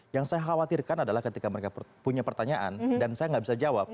yang saya khawatirkan adalah ketika mereka punya pertanyaan dan saya nggak bisa jawab